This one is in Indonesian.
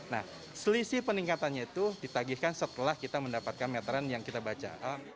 nah selisih peningkatannya itu ditagihkan setelah kita mendapatkan meteran yang kita baca